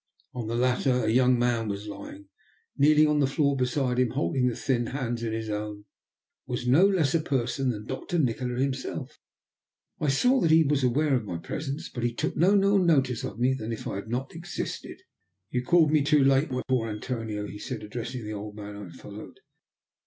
On the latter a young man was lying, and kneeling on the floor beside him, holding the thin hands in his own, was no less a person than Doctor Nikola himself. I saw that he was aware of my presence, but he took no more notice of me than if I had not existed. "You called me too late, my poor Antonio," he said, addressing the old man I had followed.